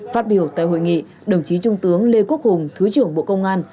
phát biểu tại hội nghị đồng chí trung tướng lê quốc hùng thứ trưởng bộ công an